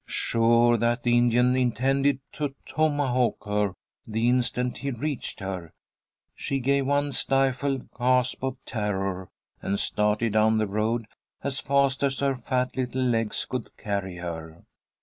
Sure that the Indian intended to tomahawk her the instant he reached her, she gave one stifled gasp of terror, and started down the road as fast as her fat little legs could carry her.